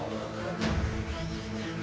jika bukanlah aku pelakunya